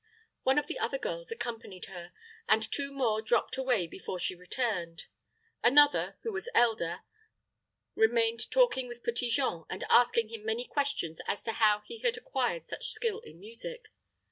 One of the other girls accompanied her, and two more dropped away before she returned. Another, who was elder, remained talking with Petit Jean, and asking him many questions as to how he had acquired such skill in music.